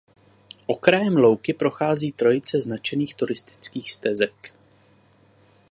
Okrajem louky prochází trojice značených turistických stezek.